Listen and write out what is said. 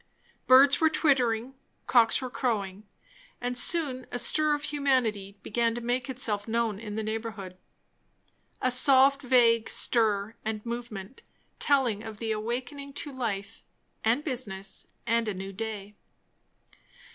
Birds were twittering, cocks were crowing; and soon a stir of humanity began to make itself known in the neighbourhood; a soft, vague stir and movement telling of the awaking to life and business and a new day.